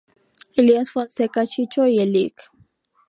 Elías Fonseca Chicho y el Lic.